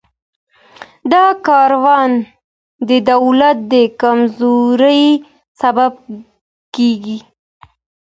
دا کارونه د دولت د کمزورۍ سبب کیږي.